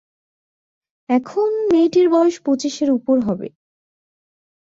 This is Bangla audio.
এখন মেয়েটির বয়স পঁচিশের উপর হবে।